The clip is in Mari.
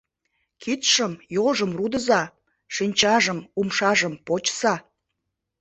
Кидшым, йолжым рудыза, шинчажым, умшажым почса.